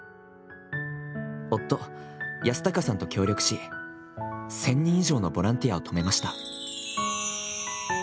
夫・和享さんと協力し１０００人以上のボランティアを泊めました。